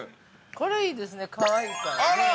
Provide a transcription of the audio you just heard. ◆これいいですね、かわいいから。